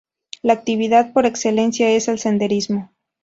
La actividad por excelencia es el senderismo.